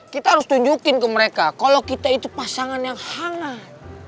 kita harus tunjukin ke mereka kalau kita itu pasangan yang hangat